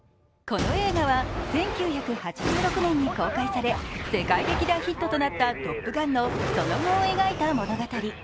この映画は１９８６年に公開され世界的大ヒットとなった「トップガン」のその後を描いた物語。